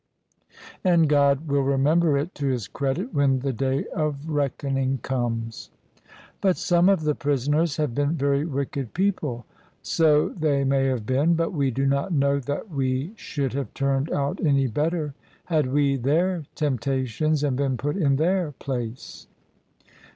And God will remember it to his credit when the day of reckoning comes." [ 203 ] THE SUBJECTION "But some of the prisoners have been very wicked people." " So they may have been : but we do not know that we should have turned out any better had we their temptations and been put in their place."